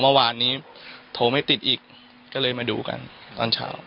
เมื่อวานนี้โทรไม่ติดอีกก็เลยมาดูกันตอนเช้า